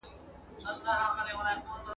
نه په غېږ کي د ځنګله سوای ګرځیدلای !.